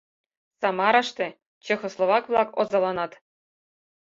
Самараште чехословак-влак озаланат.